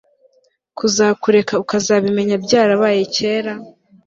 kuzakureka ukazabimenya byarabaye kera